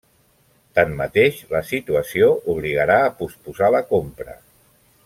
Tanmateix, la situació obligarà a posposar la compra.